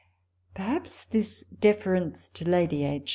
Perhaps this deference to Lady H.